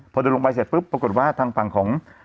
พอเดินลงไปเสร็จปุ๊บปรากฏว่าทางฝั่งของ